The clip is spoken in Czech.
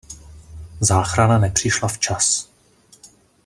Záchrana nepřišla včas.